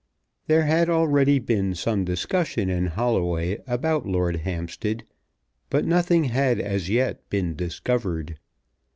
There had already been some discussion in Holloway about Lord Hampstead, but nothing had as yet been discovered.